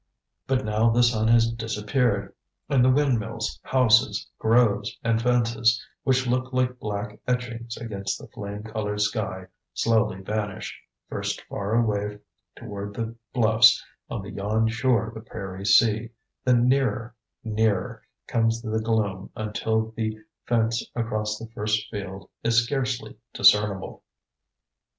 But now the sun has disappeared and the windmills, houses, groves, and fences which looked like black etchings against the flame colored sky slowly vanish, first far away toward the bluffs on the yon shore of the prairie sea, then nearer, nearer, comes the gloom until the fence across the first field is scarcely discernible.